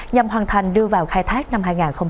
nhằm hoàn thành đưa vào khai thác năm hai nghìn hai mươi